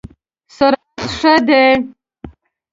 سرعت ښه دی؟